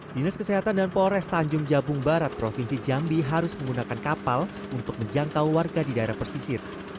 dinas kesehatan dan polres tanjung jabung barat provinsi jambi harus menggunakan kapal untuk menjangkau warga di daerah pesisir